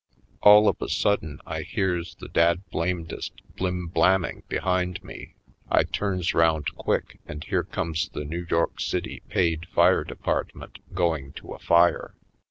All of a sudden I hears the dad blame dest blim blamming behind me. I turns round quick and here comes the New York City paid fire department going to a fire.